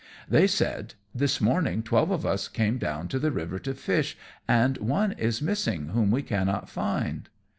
They said, "This morning twelve of us came down to the river to fish, and one is missing, whom we cannot find."